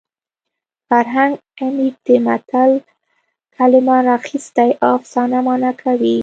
فرهنګ عمید د متل کلمه راخیستې او افسانه مانا کوي